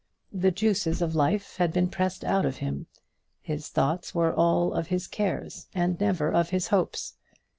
The juices of life had been pressed out of him; his thoughts were all of his cares, and never of his hopes.